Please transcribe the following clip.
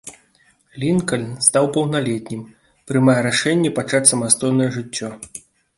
Лінкальн, стаў паўналетнім, прымае рашэнне пачаць самастойнае жыццё.